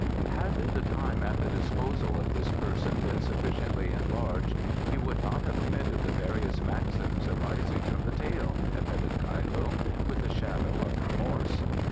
"Had the time at the disposal of this person been sufficiently enlarged he would not have omitted the various maxims arising from the tale," admitted Kai Lung, with a shadow of remorse.